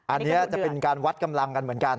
อันนี้จะเป็นการวัดกำลังกันเหมือนกัน